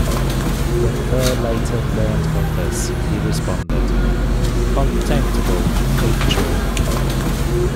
When Burr later learned of this, he responded: Contemptible, if true.